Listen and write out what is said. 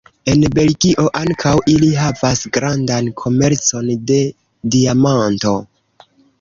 En Belgio ankaŭ ili havas grandan komercon de diamanto.